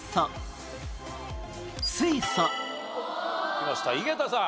きました井桁さん。